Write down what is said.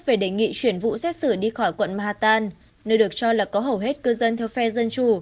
về đề nghị chuyển vụ xét xử đi khỏi quận mahatan nơi được cho là có hầu hết cư dân theo phe dân chủ